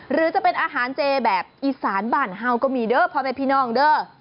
หรือจะเป็นอาหารเจแบบอีสานบ้านเห่าก็มีเด้อพ่อแม่พี่น้องเด้อ